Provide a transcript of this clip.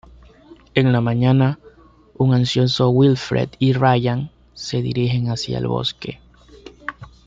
En la mañana, un ansioso Wilfred y Ryan se dirigen hacia el bosque.